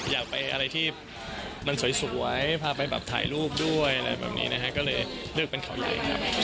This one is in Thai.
อยากไปอะไรที่มันสวยพาไปแบบถ่ายรูปด้วยอะไรแบบนี้นะฮะก็เลยเลือกเป็นเขาใหญ่ครับ